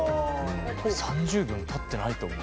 ３０秒もたってないと思う。